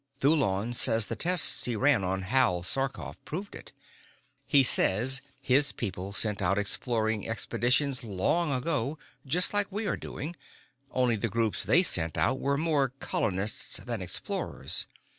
"Thulon says the tests he ran on Hal Sarkoff proved it. He says his people sent out exploring expeditions long ago, just like we are doing, only the groups they sent out were more colonists than explorers.